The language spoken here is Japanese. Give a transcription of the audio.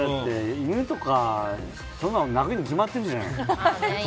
犬とかそんなの泣くに決まってるじゃない。